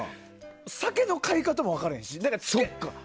酒の買い方も分からんへんし。